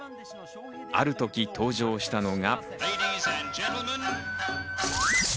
ある時、登場したのが。